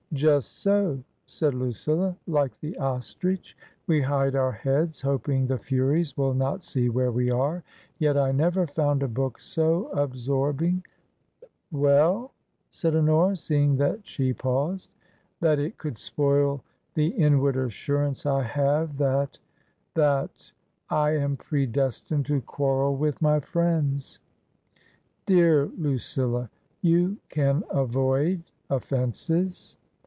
" Just so," said Lucilla ;" like the ostrich we hide our heads, hoping the Furies will not see where we are. Yet I never found a book so absorbing "" Well ?" said Honora, seeing that she paused. " That it could spoil the inward assurance I have that — that — I am predestined to quarrel with my friends." " Dear Lucilla ! You can avoid offences